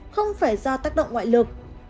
không phải do tác động ngoại lực